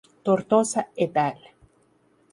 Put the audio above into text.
Tortosa "et al".